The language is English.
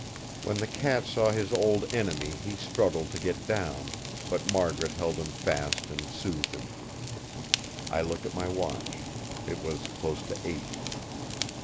When the cat saw his old enemy he struggled to get down; but Margaret held him fast and soothed him. I looked at my watch. It was close to eight.